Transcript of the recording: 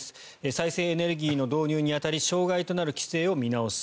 再生エネルギーの導入に当たり障害となる規制を見直す。